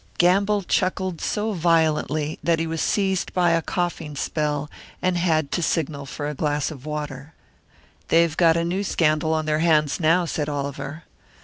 Gamble chuckled so violently that he was seized by a coughing spell, and had to signal for a glass of water. "They've got a new scandal on their hands now," said Oliver.